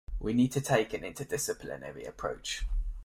We need to take an interdisciplinary approach.